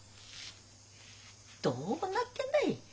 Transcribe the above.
どうなってんだい？